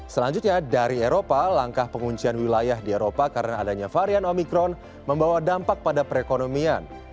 selanjutnya dari eropa langkah penguncian wilayah di eropa karena adanya varian omikron membawa dampak pada perekonomian